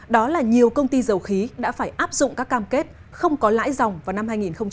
đó là nhiều công ty dầu khí đã phải áp dụng các cam kết không có lãi dòng vào năm hai nghìn hai mươi